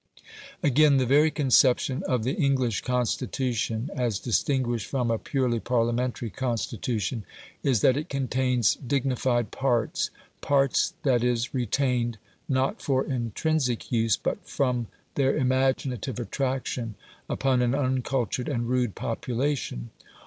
Again, the very conception of the English Constitution, as distinguished from a purely Parliamentary Constitution is, that it contains "dignified" parts parts, that is, retained, not for intrinsic use, but from their imaginative attraction upon an uncultured and rude population.